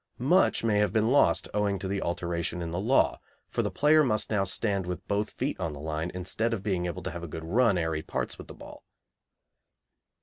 Much may have been lost owing to the alteration in the law, for the player now must stand with both feet on the line instead of being able to have a good run ere he parts with the ball.